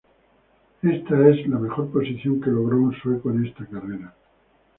Esta es la mejor posición que logró un sueco en esta carrera.